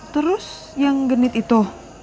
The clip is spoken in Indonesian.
terus yang genit itu